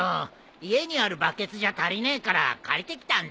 家にあるバケツじゃ足りねえから借りてきたんだ。